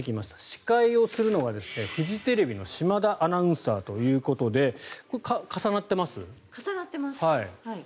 司会をするのはフジテレビの島田アナウンサーということでこれは重なっています？